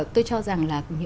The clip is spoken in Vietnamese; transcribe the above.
tôi cho rằng là